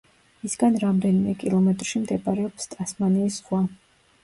მისგან რამდენიმე კილომეტრში მდებარეობს ტასმანიის ზღვა.